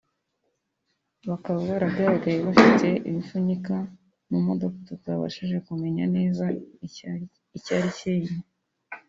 bakaba bagaragaye bafite ibipfunyika mu modoka tutabashije kumenya neza icayri kirimo